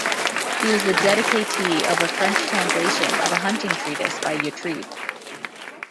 He was the dedicatee of a French translation of a hunting treatise by Yatrib.